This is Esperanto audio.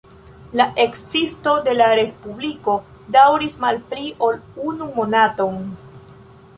La ekzisto de la respubliko daŭris malpli ol unu monaton.